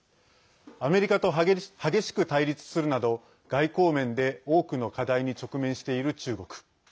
アメリカと激しく対立するなど外交面で多くの課題に直面している中国。